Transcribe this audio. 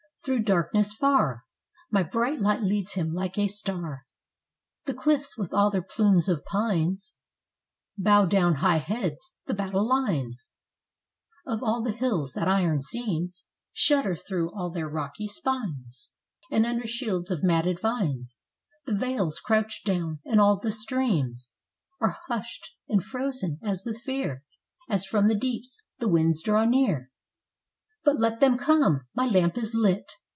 through darkness far My bright light leads him like a star. The cliffs, with all their plumes of pines, Bow down high heads: the battle lines Of all the hills, that iron seams, Shudder through all their rocky spines: And under shields of matted vines The vales crouch down: and all the streams Are hushed and frozen as with fear As from the deeps the winds draw near.... But let them come! my lamp is lit!